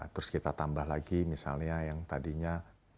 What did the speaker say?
terus kita tambah lagi misalnya yang tadinya